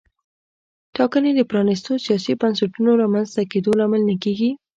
ټاکنې د پرانیستو سیاسي بنسټونو رامنځته کېدو لامل نه کېږي.